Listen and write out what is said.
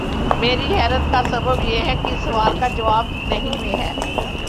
میری حیرت کا سبب یہ ہے کہ اس سوال کا جواب نفی میں ہے۔